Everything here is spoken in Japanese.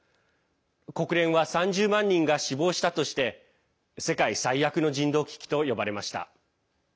国連は３０万人が死亡したとして世界最悪の人道危機と呼ばれました。